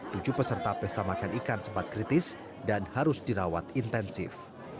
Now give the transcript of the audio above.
tujuh peserta pesta makan ikan sempat kritis dan harus dirawat intensif